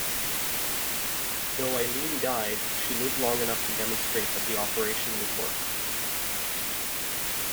Though Eileen died, she lived long enough to demonstrate that the operation would work.